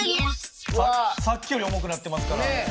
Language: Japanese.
さっきより重くなってますから。